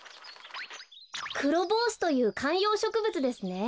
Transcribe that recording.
クロボウシというかんようしょくぶつですね。